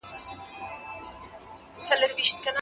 سياستوال بايد تل خپلي کړنلاري نوي کړي.